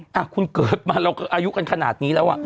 ห้ะคุณเกิดมาแล้วเราอายุกันขนาดนี้แล้ว